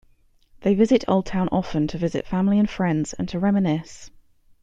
They visit Oldtown often to visit family and friends and to reminisce.